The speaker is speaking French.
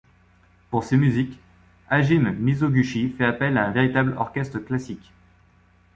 Pour ses musiques, Hajime Mizoguchi fait appel à un véritable orchestre classique.